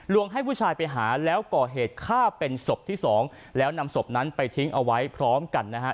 ให้ผู้ชายไปหาแล้วก่อเหตุฆ่าเป็นศพที่สองแล้วนำศพนั้นไปทิ้งเอาไว้พร้อมกันนะฮะ